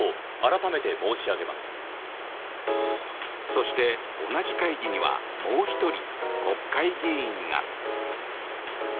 そして、同じ会議にはもう１人、国会議員が。